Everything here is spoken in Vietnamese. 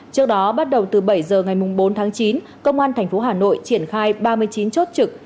trước đó bắt đầu từ bảy giờ ngày bốn tháng chín công an tp hà nội triển khai ba mươi chín chốt trực